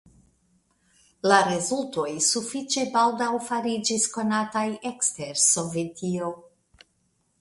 La rezultoj sufiĉe baldaŭ fariĝis konataj ekster Sovetio.